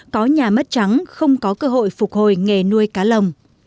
có nhà mất trắng không có cơ hội phục hồi nghề nuôi cá lồng